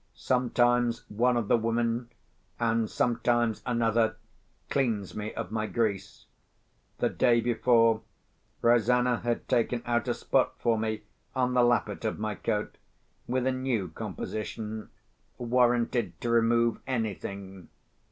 Sometimes one of the women, and sometimes another, cleans me of my grease. The day before, Rosanna had taken out a spot for me on the lappet of my coat, with a new composition, warranted to remove anything.